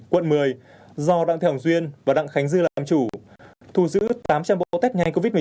quận một mươi do đặng thế hồng duyên và đặng khánh dư làm chủ thu giữ tám trăm linh bộ tét nhanh covid một mươi chín